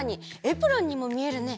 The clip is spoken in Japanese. エプロンにもみえるね。